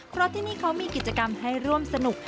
เพราะที่นี่เขามีกิจกรรมให้ร่วมสนุก